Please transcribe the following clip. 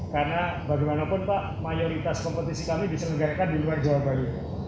karena bagaimanapun pak mayoritas kompetisi kami diselenggarakan di luar jawa bali